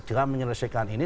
ingin segera menyelesaikan ini